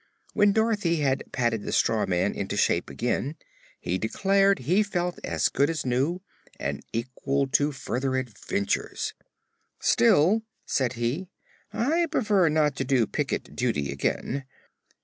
When Dorothy had patted the straw man into shape again he declared he felt as good as new and equal to further adventures. "Still," said he, "I prefer not to do picket duty again.